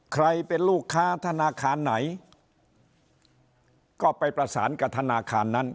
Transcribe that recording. ใครเป็นลูกค้าธนาคารไหนก็ไปประสานกับธนาคารนั้น